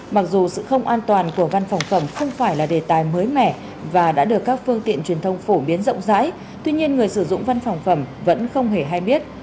mặc dù sự không an toàn của văn phòng phẩm không phải là đề tài mới mẻ và đã được các phương tiện truyền thông phổ biến rộng rãi tuy nhiên người sử dụng văn phòng phẩm vẫn không hề hay biết